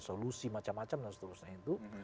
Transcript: solusi macam macam dan seterusnya itu